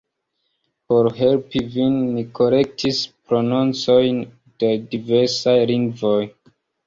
Por helpi vin, ni kolektis prononcojn de diversaj lingvoj.